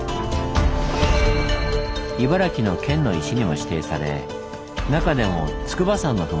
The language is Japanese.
茨城の県の石にも指定され中でも筑波山の麓